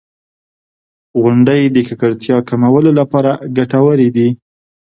• غونډۍ د ککړتیا کمولو لپاره ګټورې دي.